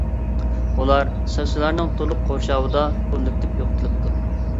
ئۇلار ساقچىلارنىڭ تولۇق قورشاۋىدا كوللېكتىپ يوقىتىلىپتۇ.